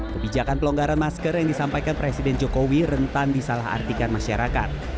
kebijakan pelonggaran masker yang disampaikan presiden jokowi rentan disalah artikan masyarakat